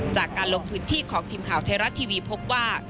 จากการลงพื้นที่ของทีมข่าวไทยรัฐทีวีพบว่า